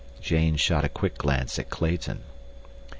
Jane shot a quick glance at Clayton.